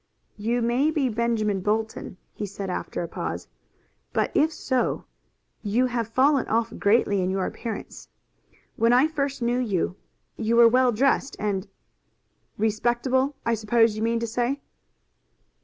"You may be Benjamin Bolton," he said after a pause, "but if so, you have fallen off greatly in your appearance. When I first knew you, you were well dressed and " "Respectable, I suppose you mean to say?"